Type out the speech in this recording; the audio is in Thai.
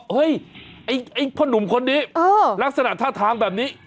เฮ้ยไอ้พ่อหนุ่มคนนี้ลักษณะท่าทางแบบนี้